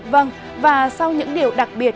vâng và sau những điều đặc biệt